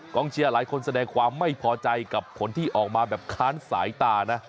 เชียร์หลายคนแสดงความไม่พอใจกับผลที่ออกมาแบบค้านสายตานะ